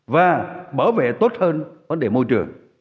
và bảo vệ tốt hơn vấn đề môi trường